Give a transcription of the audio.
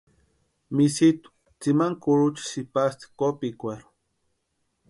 Misitu tsimani kurucha sïpasti kopikwarhu.